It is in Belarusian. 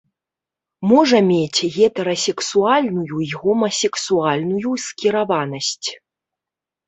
Можа мець гетэрасексуальную і гомасексуальную скіраванасць.